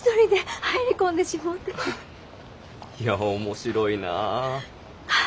いや面白いなあ。